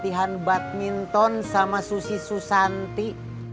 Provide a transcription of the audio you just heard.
bikin lahan badminton sama susi susanti